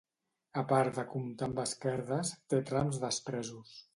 A part de comptar amb esquerdes, té trams despresos.